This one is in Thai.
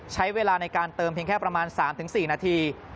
ใช้เวลาในการเติมเพียงแค่ประมาณ๓๔นาที